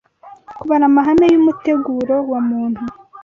kubara amahame y’umuteguro wa muntu